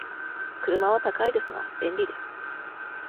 車は高いですが、便利です。